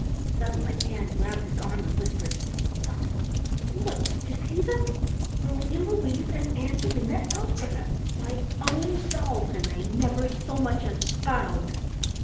Suddenly Ann grabbed his arm and whispered: "Look, look! Did you see them? Marie Louise and Angelina Elfrida, my own dolls, and they never so much as bowed!"